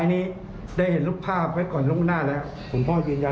เป็นลูกพี่ของคุณสองคนนี้ค่ะ